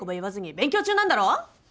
勉強中なんだろ！？